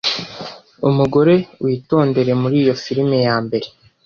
Umugore Witondere muri iyo film yambere